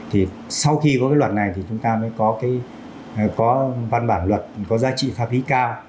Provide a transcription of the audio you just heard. thì sau khi có cái luật này thì chúng ta mới có cái có văn bản luật có giá trị pháp lý cao